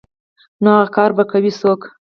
نو اغه کار به کوي څوک.